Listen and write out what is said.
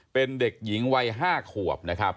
เป็นเด็กหญิงวัย๕ขวบนะครับ